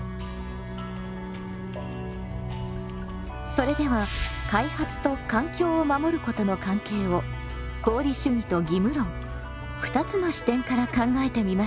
それでは開発と環境を守ることの関係を功利主義と義務論２つの視点から考えてみましょう。